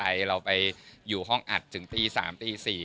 ให้เราไปอยู่ห้องอัดจึงตี๓ตี๔อะไรแบบนี้